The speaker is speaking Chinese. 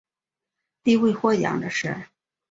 第一位获奖者是。